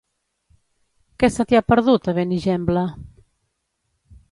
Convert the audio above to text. Què se t'hi ha perdut, a Benigembla?